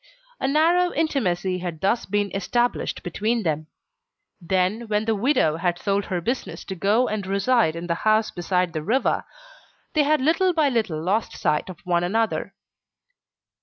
A narrow intimacy had thus been established between them; then, when the widow had sold her business to go and reside in the house beside the river, they had little by little lost sight of one another.